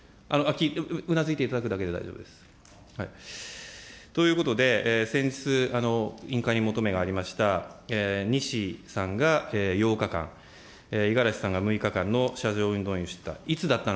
うなづいていただくことで大丈夫です。ということで、先日、委員会に求めがありました、にしさんが８日間、五十嵐さんが６日間の車上運動員をしていた。